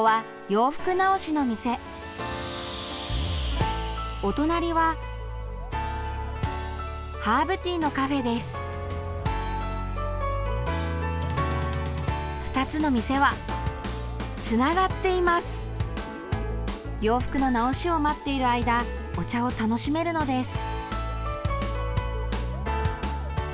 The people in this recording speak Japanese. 洋服の直しを待っている間お茶を楽しめるのです。